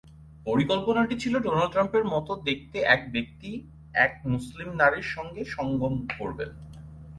পরিকল্পনাটি ছিল ডোনাল্ড ট্রাম্পের মতো দেখতে এক ব্যক্তি এক মুসলিম নারীর সাথে সঙ্গম করবেন।